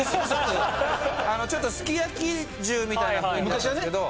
ちょっとすき焼き重みたいな雰囲気だったんですけど。